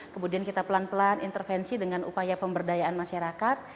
kemudian kita pelan pelan intervensi dengan upaya pemberdayaan masyarakat